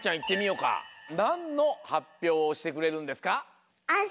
なんのはっぴょうをしてくれるんですか？